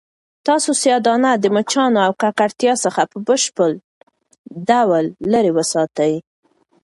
تاسو سیاه دانه د مچانو او ککړتیا څخه په بشپړ ډول لیرې وساتئ.